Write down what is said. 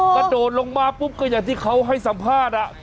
กระโดดลงมาปุ๊บก็อย่างที่เขาให้สัมภาษณ์